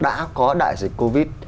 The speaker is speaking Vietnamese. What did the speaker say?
đã có đại dịch covid